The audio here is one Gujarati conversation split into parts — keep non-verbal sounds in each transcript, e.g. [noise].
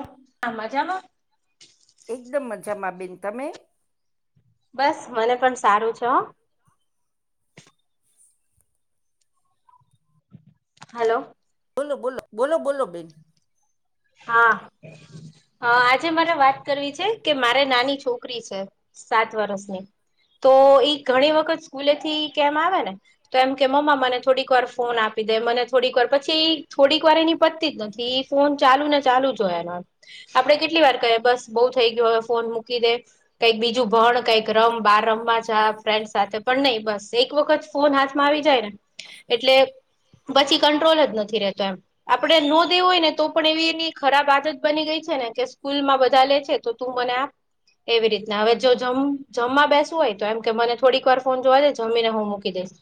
ઓ આ મજામાં એકદમ મજામાં બેન તમે બસ મને પણ સારું છે હલો બોલો બોલો બોલો બોલો બેન હા અ આજે મારે વાત કરવી છે કે મારે નાની છોકરી છે સાત વર્ષની તો ઈ ઘણી વખત સ્કૂલે થી કેમ આવે ને તો એમ કે મમ્મા મને થોડીક વાર ફોન આપી દે મને થોડીક વાર પછી થોડીક વાર એની પત્તી જ નથી એ ફોન ચાલુ ને ચાલુ જો એનો આપણે કેટલી વાર કહીએ બસ બહુ થઈ ગયો હવે ફોન મૂકી દે કંઈક બીજું ભણ કઈક રમ બાર રમમાં જા ફ્રેન્ડ સાથે પણ નહી બસ એક વખત ફોન હાથમાં આવી જાય ને એટલે પછી કંટ્રોલ જ નથી રેતો એમ આપડે ન દેવું હોય ને તો પણ એવીની ખરાબ આદત બની ગઈ છે ને કે સ્કૂલ માં બધા લે છે તો તું મને આપ એવી રીતના હવે જો જમ જમવા બેસું હોય તો એમ કે મને થોડીક વાર ફોન જોવા જે જમીને હું મૂકી દઈશ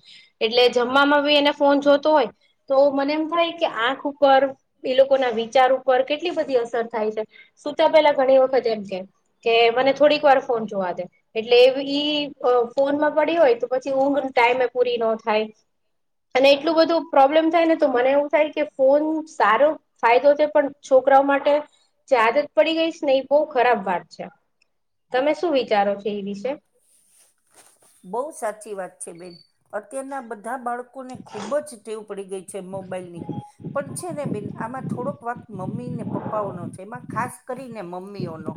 એટલે જમવામાં બી એને ફોન જોતો હોય તો મને એમ થાય કે આંખ ઉપર એ લોકો લોકો ના વિચાર ઉપર કેટલી બધી અસર થાય છે સુતા પેલા ઘણી વખત એમ કે કે મને થોડીક વાર ફોન જોવા દે એટલે ઈ ફોનમાં પડી હોય તો પછી ઊંઘ ટાઈમે પૂરી ન થાય અને એટલું બધું પ્રોબ્લેમ થાય ને તો મને એવું થાય કે ફોન સારો ફાયદો થ પણ છોકરાઓ માટે જે આદત પડી ગઈ છે ને એ બહુ ખરાબ વાત છે તમે શું વિચારો છો એ વિશે બઉ સાચી વાત છે બેન અત્યારના બધા બાળકોને ખુબ જ તેવ પડી ગઈ છે મોબાઈલ ની પણ છે ને બેન આમાં થોડોક વાત મમ્મી ને પપ્પાઓનો છે એમાં ખાસ કરીને મમ્મીઓનો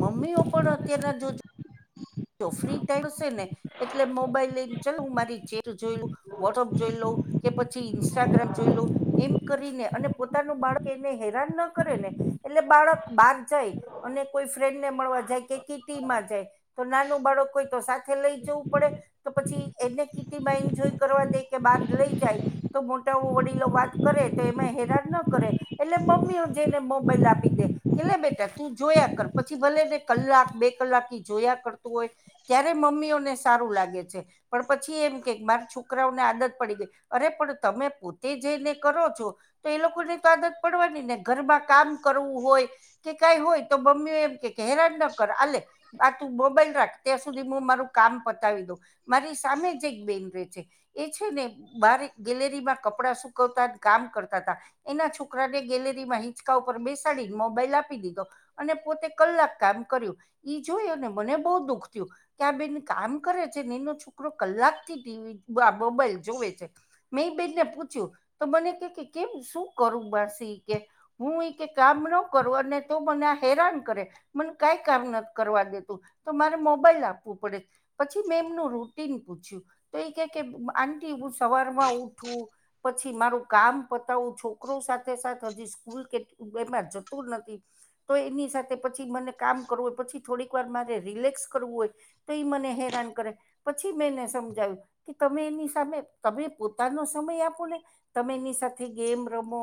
મમ્મીઓ પણ અત્યારના તુ જો [inaudible] જો ફ્રી ટાઈમશે ને એટલે મોબાઈલ લઈને ચલ હું મારી ચેટ જોયલું વોટ્અપ જોઈ લો કે પછી ઇન્સ્ટાગ્રામ જોઈ લો એમ કરીને અને પોતાનું બાળક એને હેરાન ન કરે ને એટલે બાળક બાગ જાય અને કોઈ ફ્રેન્ડ ને મળવા જાય કે કીટીમાં જાય તો નાનું બાળક કોઈ તો સાથે લઈ જવું પડે તો પછી એને કીટીમાં એન્જોય કરવા દે કે બાર લઈ જાય તો મોટાઓ વડીલો વાત કરે તો એમાં હેરાન ન કરે એટલે મમ્મીઓ જઈને મોબાઈલ આપી દે કે લે બેટા તું જોયા કર પછી ભલે ને કલાક બે કલાક થી જોયા કરતું હોય ત્યારે મમ્મીઓને સારું લાગે છે, પણ પછી એમ કે માર છોકરાઓને આદત પડી ગેય અરે પણ તમે પોતે જઈને કરો છો તો એ લોકો ને તો આદત પડવાની ને ઘરમાં કામ કરવું હોય કે કાઈ હોય તો મમ્મીઓ એમ કે હેરાન ન કર આલે બા મોબાઈલ રાખ ત્યાં સુધી મું મારું કામ પતાવી દઉં મારી સામે જ એક બેન રે છે. એ છે, ને બારે ગેલેરીમાં કપડાં સુકવતા કામ કરતા તા એના છોકરાને ગેલેરીમાં હિંચકા ઉપર બેસાડીને મોબાઈલ આપી દીધો અને પોતે કલાક કામ કર્યું ઈ જોયો ને મને બો દુઃખ થયું કે આ બેન કામ કરે છે, ને એનો છોકરો કલાકથી ટીવી બા મોબાઇલ જોવે છે. મેં ઇ બેનને પૂછ્યું તો મને કે કેમ શું કરું માસી કે હું એ કે કામ ન કરું અને તો મને આ હેરાન કરે મને કાઈ કામ ન કરવા દે તું તો મારે મોબાઈલ આપવું પડે પછી મેં એમનું રૂટીન પૂછ્યું તો એ કે કે આટી હું સવાર માં ઉઠું પછી મારું કામ પતાવું છોકરો સાથે સાથે હજી સ્કૂલ કેટ એમા જતું જ નથી તો એની સાથે પછી મને કામ કરવું હોય પછી થોડીક એક વાર મારે રિલેક્સ કરવું હોય તો ઈ મને હેરાન કરે પછી મેંને સમજાવ્યું કે તમે એની સામે તમે પોતાનો સમય આપો ને તમે એની સાથે ગેમ રમો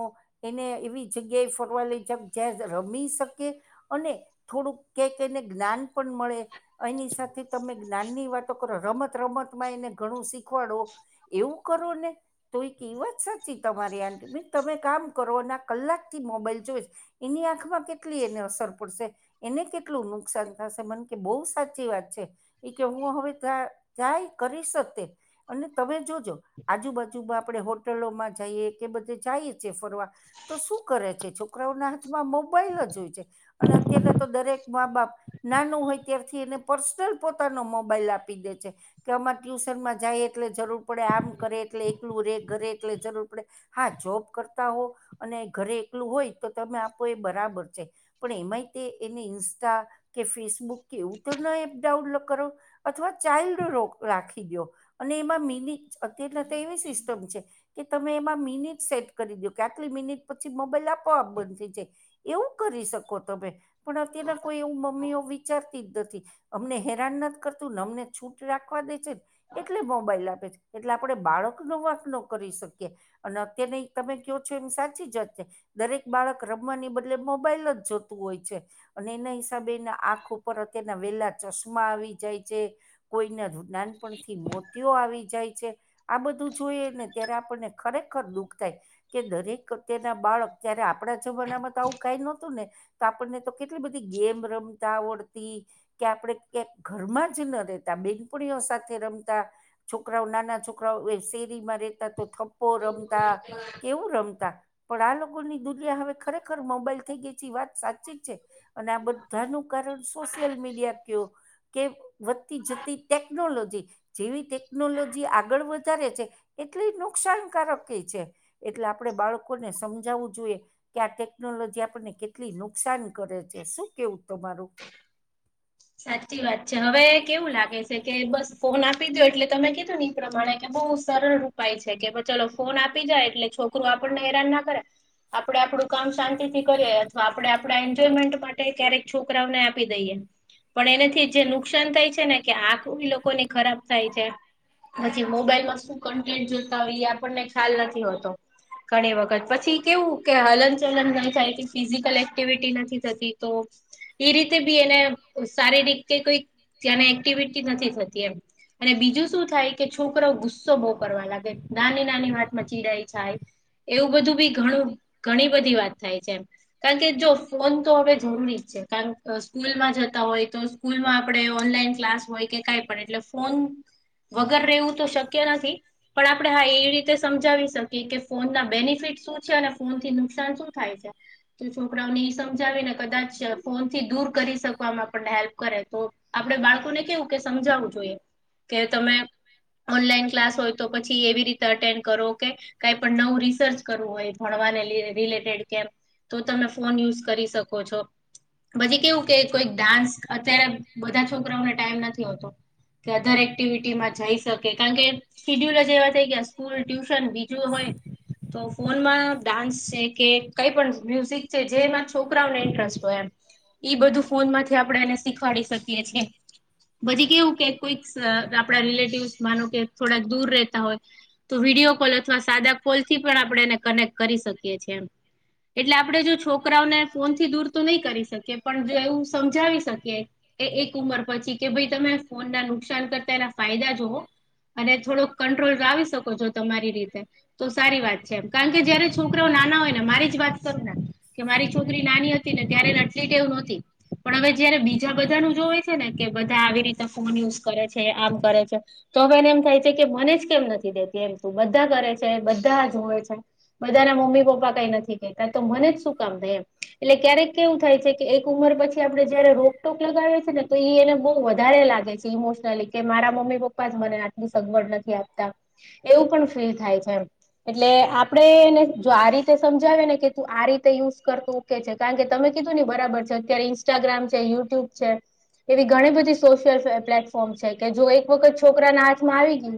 એને એવી જગ્યા એ ફરવા લઈ જાવ જ્યાં રમી શકે અને થોડુંક કે કે જ્ઞાન પણ મળે એની સાથે તમે જ્ઞાનની વાતો કરો રમત રમતમાં એને ઘણું શીખવાડો એવું કરો ને તો ઈ કે એ વાત સાચી તમારી આંટી [unintelligible] તમે કામ કરો અને કલાક થી મોબાઈલ જોઈ એની આંખમાં કેટલી એને અસર પડશે એને કેટલું નું કસાન થશે મન કે બો સાચી વાત છે. એ કે હું હવે ટ્રા ટ્રાય કરી શકતે અને તમે જોજો આજુબાજુમાં આપણે હોટલોમાં જઈએ કે બધે જાએ છે, ફરવા તો શું કરે છે, છોકરાઓના હાથમાં મોબાઈલ જ હોય છે, અને અત્યારે તો દરેક મા બાપ નાનું હોય ત્યારથી એને પર્સનલ પોતાનો મોબાઈલ આપી દે છે. કે અમારે ટ્યુશનમાં જાય એટલે જરૂર પડે આમ કરે એટલે એકલું રે ઘરે એટલે જરૂર પડે હા જોબ કરતા હો અને ઘરે એકલું હોય તો તમે આપો એ બરાબર છે. પણ એમાંય તે એને ઇન્સ્ટા કે ફેસબુક કેવું તો ન એપ ડાઉનલોડ કરો અથવા ચાઇલ્ડ લોક રાખી દો અને એમાં મિનીટ અત્યારના તો એવી સિસ્ટમ છે. કે તમે એમાં મિનિટ સેટ કરી દયો કે આટલી મિનિટ પછી મોબાઈલ આપો આપ બંધ થઈ જાય એવું કરી શકો તમે પણ અત્યારના કોઈ એવું મ મમી ઓ વિચારતી જ નથી અમને હેરાન નથી કરતુંન અમને છૂટ રાખવા દે છે. એટલે મોબાઈલ આપે છે, એટલે આપણે બાળક ન વાક ન કરી શકીએ અને અત્યની તમે કયો છો એમ સાચી જ વાત છે. દરેક બાળક રમવાની બદલે મોબાઈલ જ જોતું હોય છે, અને એના હિ સાબે એને આંખ ઉપર અત્યારના વેલા ચશ્મા આવી જાય જે કોઈના ધ નાનપણથી મોતીઓ આવી જાય છે. આ બધું જોઈએ ને ત્યારે આપણને ખરેખર દુઃખ થાય કે દરેક અત્યારના બાળક ત્યારે આપણા જમાનામાં તો આવું કઈ નહતું ને તા આપણને તો કેટલી બધી ગેમ રમતા આવડતી કે આપણે ક્યાં ઘરમાં જ ના રેતા બેનપણીઓ સાથે રમતા છોકરાઓ નાના છોકરા રાઓ શેરીમાં રેતા તો થપ્પો રમતા કેવું રમતા પણ આ લોકોની દુનિયા હવે ખરેખર મોબાઈલ થઈ ગઈ છે વાત સાચી જ છે. અને આ બધાનું કારણ સોશિયલ મીડિયા કયો કે વધતી જતી ટેક્નોલોજી જેવી ટેકનોલોજી આગળ વધારે છે એટલી નુકસાનકારક એ છે. એટલે આપણે બાળકોને સમજાવું જોઈએ કે આ ટેકનોલોજી આપણને કેટલી નુકસાન કરે છે શું કેવું તમારું સાચી વાત છે હવે કેવું લાગે છે કે બસ ફોન આપી દો એટલે તમે કીધું ને એ પ્રમાણે કે બહુ સરળ ઉપાય છે કે ચલો ફોન આપી જાય એટલે છોક [unintelligible] આપણ ન હરાણ ના કરે આપણેે આપણું કામ શાંતિથી કરીએ અથવા આપડણે આપણા એન્જોયમેન્ટ માટે ક્યારેક છોકરાઓને આપી દઈએ પણ એનાથી જે નુકસાન થાય છે ને કે આંખ એ લોકોની ખરાબ થાય છે પછી મોબાઈલમાં શું કન્ટેન્ટ જોતા હોય એ આપણને ખ્યાલ નથી હોતો. ઘણી વખત પછી કેવું કે હલન ચલન નઈ થાય ફિઝિકલ એક્ટિવિટી નથી થતી તો એ રીતે બી એને શારીરિક કોઈ તને એક્ટિવિટી નથી થતી એમ અને બીજું શું થાય કે છોકરો ગુસ્સો બહુ કરવા લાગે નાની-નાની હાથમાં ચીડાઈ જાય એવું બધું બી ઘણું ઘણી બધી વાત થાય છે એમ કારણ કે જો ફોન તો હવે જરૂરી જ છે કારણ સ્કૂલમાં જ [unintelligible] હોય તો સ્કૂલમાં આપણે ઓનલાઈન ક્લાસ હોય કે કઈ પણ એટલે ફોન વગર રહેવું તો શક્ય નથી પણ આપણે હા એવી રીતે સમજાવી શકીએ કે ફોન ના બેનિફિટ શું છે અને ફોન થી નુકસાન શું થાય છે. તો છોકરાઓને સમજાવી ને કદાચ ફોન થી દૂર કરી શક આમ આપનણેં હેલ્પ કરે તો આપડે બાળકોને કેવું કે સમજાવવું જોઈએ કે તમે ઓનલાઈન ક્લાસ હોય તો પછી એવી રીતે અટેન્ડ કરો કે કઈ પણ નવું રિસર્ચ કરવું હોય ભણવાને રિલેટેડ કેમ તો તમે ફોન યુઝ કરી શકો છો પછી કેવું કે કોઈ ડાન્સ અત્યારે બધા છોકરાને ટાઈમ નથી હોતો કે અધર એક્ટિવિટીમાં જઈ શકે કારણ કે શીડ્યુલ જ એવા થાય કે સ્કૂલ ટ્યુશન બીજું હોય તો ફોનમાં ડાન્સ છે કે કઈ પણ મ્યુઝિક છે જેમાં છોકરાઓને ઇન્ટરેસ્ટ હોય એમ બધું ફોન માંથી આપણે એને શીખાડી શકીએ છીએ પછી કેવું કે કોઈક આપડા રિલેટિવસ માનો કે થોડાક દૂર રહેતા હોય તો વિડીયો કોલ અથવા સાદા કોલ થી પણ આપણે એને કનેક્ટ કરી શકીએ છેએ એમ. એટલે આપણે જો છોકરાઓને ફોન થી દૂર તો નહી કરી શકીએ પણ જો એવું સમજાવી શકીએ એ એક ઉંમર પછી કે ભાઈ તમે ફોનના નુકસાન કરતા એના ફાયદા જોવો અને થોડોક કંટ્રોલ લાવી શકો છો તમારી રીતે તો સારી વાત છે એમ, કારણ કે જયારે છોકરાઓ નાના હોય મારી જ વાત કરું ને કે મારી છોકરી નાની હતી ને ત્યારેટલી ટેવ નોતી પણ હવે જયારે બીજા બધા ન જો હોવે છે ને કે બધા આવી રીતે ફોન યુઝ કરે છે આમ કરે છે તો હવે એને એમ થાય છે કે મને જ કેમ નથી દેતી એમ બધા કરે છે બધા જ હોવે છે. બધા ના મમ્મી પપ્પા કંઈ નથી કહેતા તો મને જ શું કામ થાય એમ એટલે ક્યારેક કેવું થાય છે કે એક ઉંમર પછી આપણે જયારે રોકટોક લગાવીએ ને તો એને બહુ વધારે લાગે છે ઇમોશનલી કે મારા મમ્મી પપ્પા જ મને સગવડ નથી આપતા એવું પણ ફીલ થાય છે એમ એટલે આપડેને જો આ રીતે સમજાવે ને કે તું આ રીતે યુઝ કરતું છે કારણ કે તમે કીધું નને બરાબર છે અત્યારે ઇન્સ્ટાગ્રામ છે યુટ્યુબ છે એવી ઘણી બધી સોશિયલ પ્લેટફોર્મ છે કે જો એક વખત છોકરાના હાથમાં આવી ગયું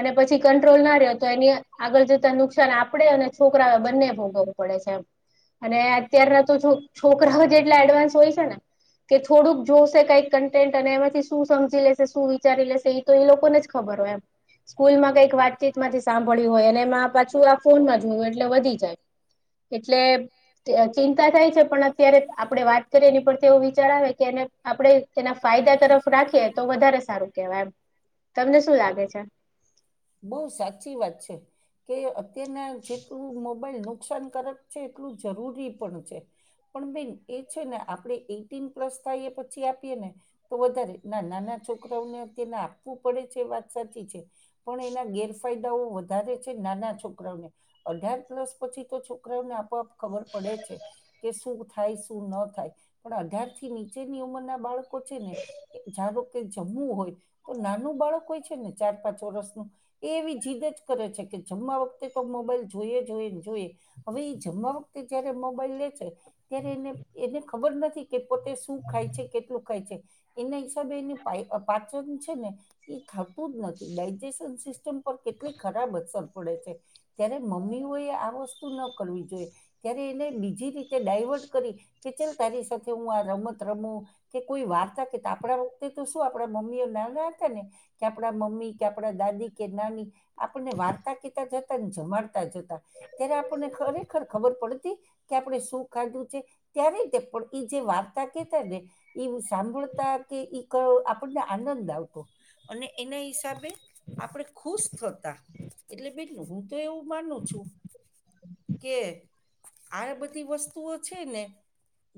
અને પછી કંટ્રોલ ના રહ્યો તો એને આગળ જતા નુકસાન આપણેે અને છોકરા બંને ભોગવવું પડે છે એમ અને અત્યારના તો છોકરાઓ જેટલા એડવાન્સ હોય છે ને કે થોડુંક જોશે કઈક કન્ટેન્ટ અને એમાંથી શું સમજી લેશે શું વિચારી લેશે એ તો એ લોકોને જ ખબર હોય એમ સ્કૂલ માં કંઈક વાતચીત માંથી સાંભળ્યું હોય અને એમાં પાછું આ ફોન માં જોયું એટલે વધી જાય એટલે ચિંતા થાય છે પણ અત્યારે આપણેે વાત એની પર તે વિચાર આવે કે એને આપણે તેના ફાયદા તરફ રાખીએ તો વધારે સારું કેવાયમ [inaudible] તમને શું લાગે છે બઉુ સાચી વાત છે કે અત્યારના છેતું લ નુકસાનકારક છે એટલું જરૂરી પણ છે પણ બેન એ છે ને આપડણે એટીન પ્લસ થાય પછી આપીએ ને તો વધારે ના નાના છોકરાઓને અત્યને આપવું પડે છે વાત સાચી છે પણ એના ગેરફાયદાઓ વધારે છે નાના છોકરાઓને અઢાર પ્લસ પછી તો છોકરાઓને આપોઆ ખબર પડે છે કે શું થાય શું ન થાય પણ અધાર થી નીચેની ઉંમરના બાળક ને જ જમવું હોય તો નાનું બાળક હોય છે ને ચાર પાંચ વર્ષ એ એવી જીદ જ કરે છે કે જમવા વખતે તો મોબાઈલ જોઈએ જોઈને જોઈએ હવે એ જમવા વખતે જયારે મોબાઈલ લે છે ત્યારે એને એને ખબર નથી કે પોતે શું ખાય છે કેટલું ખાય છે એના હિસાબે એ પાચન છે ને એ થતું જ નથી ડાયજ સિસ્ટમ પર કેટલી ખરાબ અસર પડે છે ત્યારે મમ્મીઓએ આ વસ્તુ ન કરવી જોઈએ ત્યારે એને બીજી રીતે ડાયવર્ટ કરી કે ચલ તારી સાથે હું આ રમત રમું કે કોઈ વાર્તા કેતા આપણા વખતે તો શું આપણા મમ્મીઓ નાના હતા ને કે આપણા મમ્મી કે આપણા દાદી કે નાની આપણને વાર્તા કીતા જતા જમાડતા જતા ત્યારે આપણને ખરેખર ખબર પડતી કે આપણે શું ખાધું છે ત્યારેીતે પણ એ જે વાર્તા કેતા ને એ સાંભળતા કે કરો આપણને આનંદ આવતો અને એના હિસાબે આપણે ખુશ થતા એટલે બેન હું તો એવું માનું છું કે આ બધી વસ્તુઓ છે ને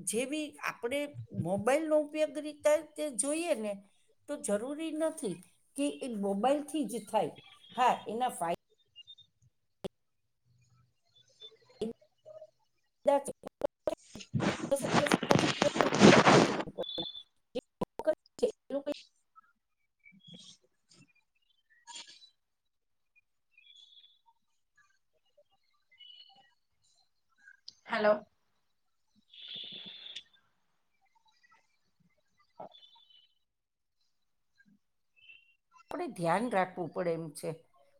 જે બી આપણેે મોબાઈલ નો ઉપયોગ રીતે તે જોઈએ ને તો જરૂરી નથી કે એ મોબાઈલથી જ થાય હા એના [inaudible] હલો આપણે ધ્યાન રાખવું પડે એમ છે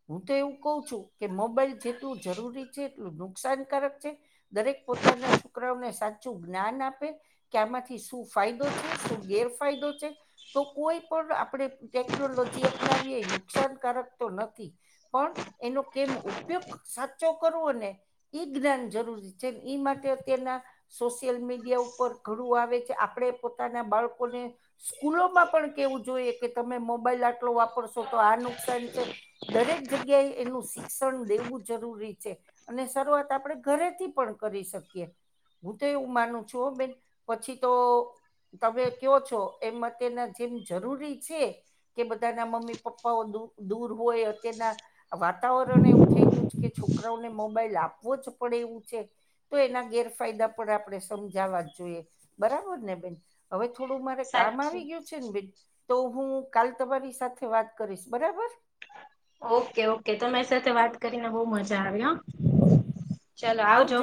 હું તો એવું કઉ છું કે મોબાઈલ જેટલું જરૂરી છે એટલું નુકસાનકારક છે દરેક પોતાના છોકરાઓને સાચું જ્ઞાન આપે કે આમાંથી શું ફાયદો છે શું ગેરફાયદો છે તો કોઈ પણ આપણે ટેકનોલોજી વી નુકસાનકારક તો નથી પણ એનો કેમ ઉપયોગ સાચો કરવો ને ઈ જ્ઞાન જરૂરી છે ઈ માટે તેના સોશિયલ મીડિયા ઉપર ઘડું આવે છે આપણે પોતાના બાળકોને સ્કૂલોમાં પણ કેવું જોઈએ કે તમે મોબાઈલ આટલો વાપરશો તો આ નુકસાન છે દરેક જગ્યાએ એનું શિક્ષણ દેવું જરૂરી છે અને શરૂઆત આપણે ઘરેથી પણ કરી શકીએ હું તો એવું માનું છું બેન પછી તો તમે કહો છો એમ માટેના જેમ જરૂરી છે બધા ના મમ્મી પપ્પાઓ દૂર હોય અ તેના વાતાવરણ એવું થઈ ગયું છે કેોક છોકરાને મોબાઈલ આપવો જ પડે એવું છે તો એના ગેરફાયદા પણ આપણે સમજાવા જ જોઈએ બરાબર ને બેન હવે થોડું મારે કામ આવી ગયું છે ને ભન તો હું કાલ તમારી સાથે વાત કરીશ બરાબર ઓકે ઓકે તરી સાથે વાત કરીને બહ મજા આવી હ ચાલો આવજો